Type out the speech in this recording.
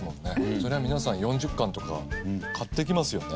そりゃ皆さん４０缶とか買っていきますよね。